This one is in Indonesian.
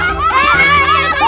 eh apa itu